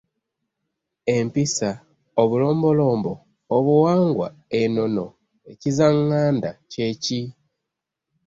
Empisa, obulombolombo, obuwangwa, ennono, ekizzaŋŋanda kye ki?